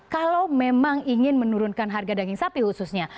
kalau memang ingin menurunkan harga daging sapi khususnya